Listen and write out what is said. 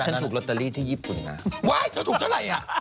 จะถูกรอตเตอรี่ที่ญี่ปุ่นว่าจะถูกเท่าไรอ่ะ